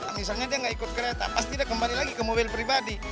misalnya dia nggak ikut kereta pasti dia kembali lagi ke mobil pribadi